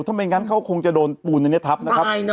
ทำไมกันเขาคงจะโดนปูนนีทับนะครับ